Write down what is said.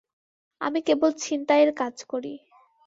আমি কেবল ছিনতাইয়ের কাজ করি।